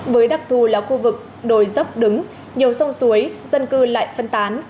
với đặc thù là khu vực đồi dốc đứng nhiều sông suối dân cư lại phân tán